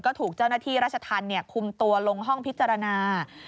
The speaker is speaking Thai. ก็ถูกเจ้าหน้าที่ราชธรรมคุมตัวลงห้องพิจารณา